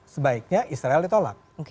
sebaiknya israel ditolak